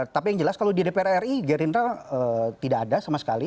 tapi yang jelas kalau di dpr ri gerindra tidak ada sama sekali